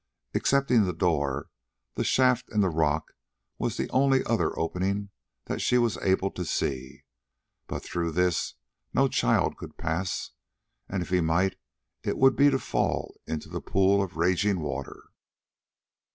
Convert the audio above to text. Excepting the doors, the shaft in the rock was the only other opening that she was able to see, but through this no child could pass, and if he might it would be to fall into the pool of raging water.